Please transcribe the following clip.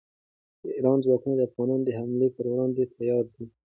د ایران ځواکونه د افغانانو د حملې پر وړاندې تیار دي.